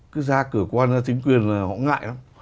cứ ra cửa quan ra chính quyền là họ ngại lắm